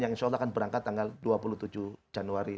yang insya allah akan berangkat tanggal dua puluh tujuh januari